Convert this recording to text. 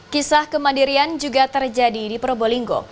kisah kemandirian juga terjadi di probolinggo